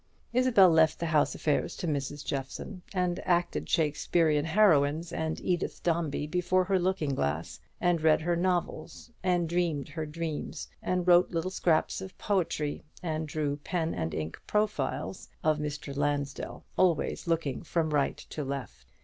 Isabel left the house affairs to Mrs. Jeffson, and acted Shakespearian heroines and Edith Dombey before her looking glass, and read her novels, and dreamed her dreams, and wrote little scraps of poetry, and drew pen and ink profile portraits of Mr. Lansdell always looking from right to left.